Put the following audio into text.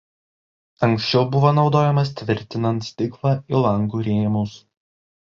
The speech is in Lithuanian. Anksčiau buvo naudojamas tvirtinant stiklą į langų rėmus.